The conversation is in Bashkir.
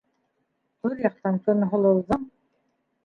Түрьяҡтан Көнһылыуҙың: